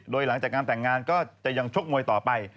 โดยหลังจากงานแต่งงานก็จะยังชกมวยต่อไป